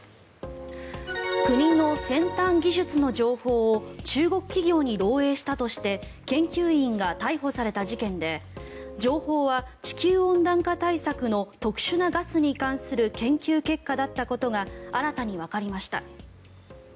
国の先端技術の情報を中国企業に漏えいしたとして研究員が逮捕された事件で情報は地球温暖化対策の特殊なガスに関する研究結果だったことが新たにわかりました。